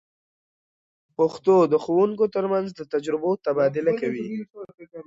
پښتو د ښوونکو تر منځ د تجربو تبادله کوي.